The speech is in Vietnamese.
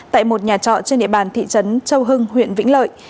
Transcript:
tại một nhà trọ trên địa bàn thị trấn châu hưng huyện vĩnh lợi